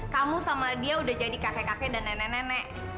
kamu sama dia udah jadi kakek kakek dan nenek nenek